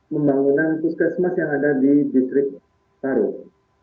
membangunan puskesmas yang ada di distrik parung